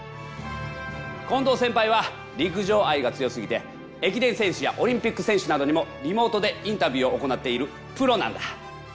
近藤先輩は陸上愛が強すぎて駅伝選手やオリンピック選手などにもリモートでインタビューを行っているプロなんだ。